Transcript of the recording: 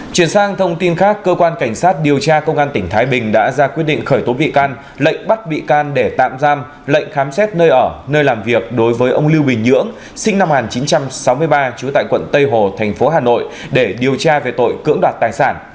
chuyển sang thông tin khác cơ quan cảnh sát điều tra công an tỉnh thái bình đã ra quyết định khởi tố bị can lệnh bắt bị can để tạm giam lệnh khám xét nơi ở nơi làm việc đối với ông lưu bình nhưỡng sinh năm một nghìn chín trăm sáu mươi ba trú tại quận tây hồ thành phố hà nội để điều tra về tội cưỡng đoạt tài sản